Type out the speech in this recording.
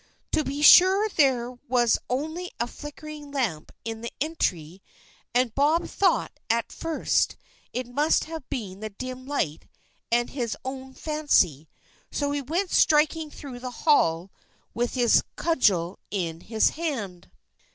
To be sure there was only a flickering lamp in the entry, and Bob thought at first it must have been the dim light and his own fancy, so he went striding through the hall with his cudgel in his hand.